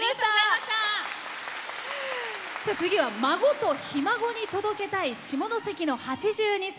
次は孫とひ孫に届けたい下関の８２歳。